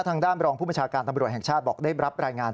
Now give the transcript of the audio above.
ทางด้านรองผู้บัญชาการตำรวจแห่งชาติบอกได้รับรายงาน